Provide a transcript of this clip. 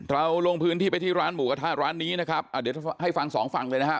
เราลงพื้นที่ไปที่ร้านหมูกระทะร้านนี้นะครับอ่าเดี๋ยวให้ฟังสองฝั่งเลยนะฮะ